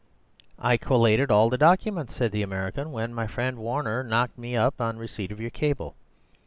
"I collated all the documents," said the American, "when my friend Warner knocked me up on receipt of your cable.